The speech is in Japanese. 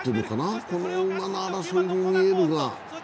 この馬の争いに見えるけど。